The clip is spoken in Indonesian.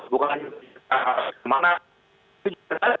bukan hanya ke mana itu juga ada